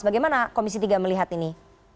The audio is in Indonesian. bagaimana komisi tiga melihat ini